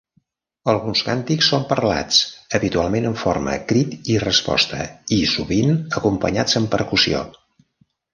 Alguns càntics són parlats, habitualment en format crit i resposta i sovint acompanyats amb percussió.